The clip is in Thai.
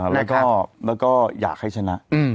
แล้วก็อยากให้ชนะ